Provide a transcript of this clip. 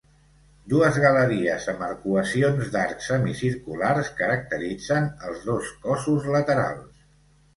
Dues galeries amb arcuacions d'arcs semicirculars caracteritzen els dos cossos laterals.